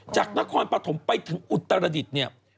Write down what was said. จากนครประถมไปถึงอุตรดิษฐ์